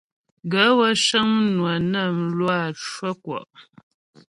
Gaə̂ wə́ cə́ŋ mnwə̀ nə mlwǎ cwə́ ŋkwɔ́'.